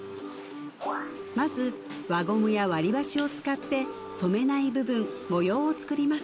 まず輪ゴムや割り箸を使って染めない部分模様を作ります